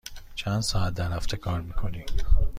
چند ساعت در هفته کار می کنی؟